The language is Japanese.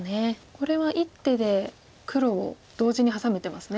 これは１手で黒を同時にハサめてますね。